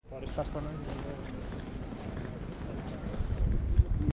The original surface building was later demolished.